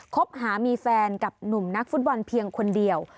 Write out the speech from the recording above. คบหามีแฟนกับหนุ่มนักฟุตบอลเพียงคนเดียว